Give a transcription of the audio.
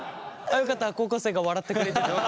よかった高校生が笑ってくれてて。